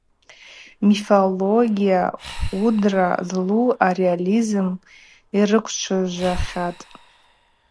Мифология, уыдра злу ареализм йрыквчважвахьатӏ.